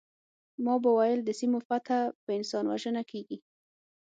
ما به ویل د سیمو فتح په انسان وژنه کیږي